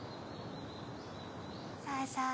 さあさあ